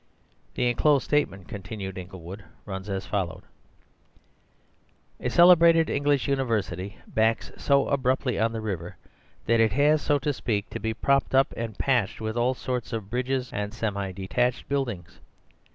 "The enclosed statement," continued Inglewood, "runs as follows:— "A celebrated English university backs so abruptly on the river, that it has, so to speak, to be propped up and patched with all sorts of bridges and semi detached buildings.